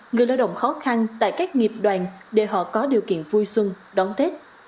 người lao động khó khăn tại các nghiệp đoàn để họ có điều kiện vui xuân đón tết